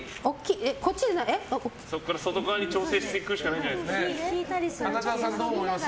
そこから外側に調整していくしか花澤さん、どう思います？